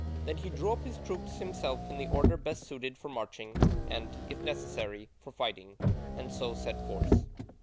Then he drew up his troops himself in the order best suited for marching, and, if necessary, for fighting, and so set forth.